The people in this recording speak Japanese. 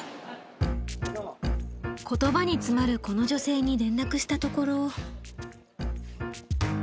言葉に詰まるこの女性に連絡したところ。